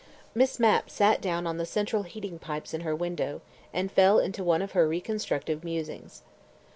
... Miss Mapp sat down on the central heating pipes in her window, and fell into one of her reconstructive musings.